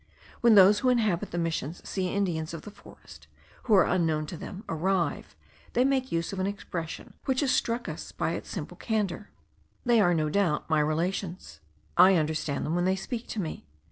When those who inhabit the missions see Indians of the forest, who are unknown to them, arrive, they make use of an expression, which has struck us by its simple candour: they are, no doubt, my relations; I understand them when they speak to me.